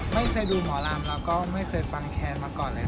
ไม่เคยดูหมอลำแล้วก็ไม่เคยฟังแค้นมาก่อนเลย